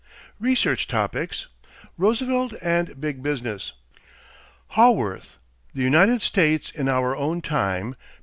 =Research Topics= =Roosevelt and "Big Business."= Haworth, The United States in Our Own Time, pp.